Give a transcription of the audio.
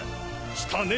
したね！